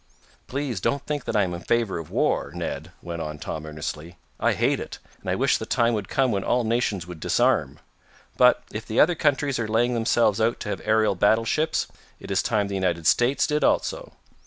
"Please don't think that I am in favor of war, Ned," went on Tom earnestly. "I hate it, and I wish the time would come when all nations would disarm. But if the other countries are laying themselves out to have aerial battleships, it is time the United States did also.